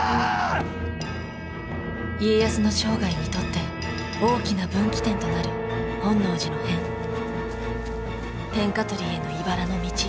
家康の生涯にとって大きな分岐点となる本能寺の変天下取りへのいばらの道